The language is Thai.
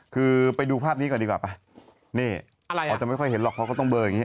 คือไปดูภาพนี้ก่อนดีกว่าไปนี่อะไรเขาจะไม่ค่อยเห็นหรอกเขาก็ต้องเบอร์อย่างนี้